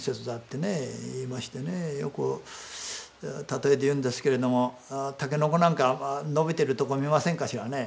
よく例えで言うんですけれどもタケノコなんか伸びてるところを見ませんかしらね。